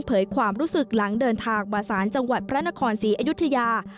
ความรู้สึกหลังเดินทางมาศาลจังหวัดพระนครศรีอยุธยา